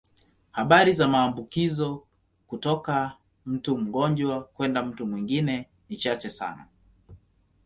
Habari za maambukizo kutoka mtu mgonjwa kwenda mtu mwingine ni chache sana.